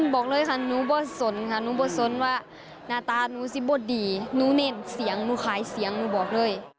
โอน้ยบอกเลยคร่ะนูสนว่าหน้าตานูซิบว่าดีนูเน่นเสียงนูขายเสียงนูบอกเลย